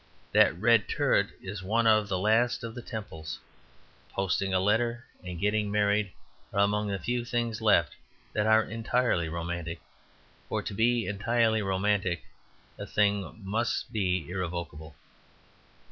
That red turret is one of the last of the temples. Posting a letter and getting married are among the few things left that are entirely romantic; for to be entirely romantic a thing must be irrevocable.